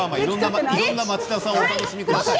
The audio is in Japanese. いろんな町田さんをお楽しみ下さい。